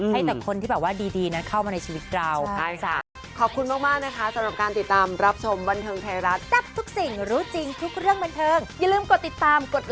ให้แต่คนที่แบบว่าดีนั้นเข้ามาในชีวิตเรา